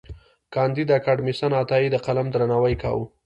کانديد اکاډميسن عطايي د قلم درناوی کاوه.